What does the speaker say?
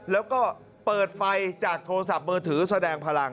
แล้วก็เปิดไฟจากโทรศัพท์มือถือแสดงพลัง